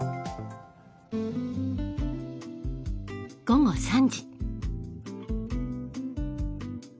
午後３時。